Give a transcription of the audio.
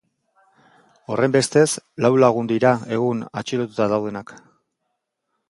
Horrenbestez, lau lagun dira egun atxilotuta daudenak.